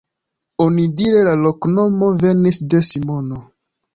Onidire la loknomo venis de Simono.